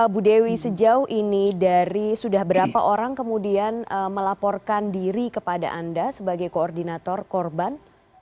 bu dewi sejauh ini dari sudah berapa orang kemudian melaporkan diri kepada anda sebagai koordinator korban